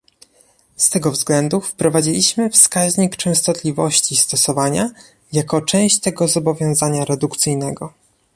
Z tego względu wprowadziliśmy wskaźnik częstotliwości stosowania jako część tego zobowiązania redukcyjnego